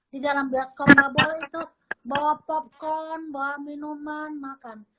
di dalam bioskop nggak boleh itu bawa popcorn bawa minuman makan